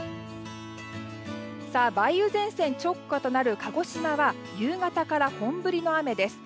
梅雨前線直下となる鹿児島は夕方から本降りの雨です。